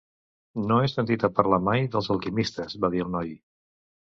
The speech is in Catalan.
"No he sentit a parlar mai dels alquimistes", va dir el noi.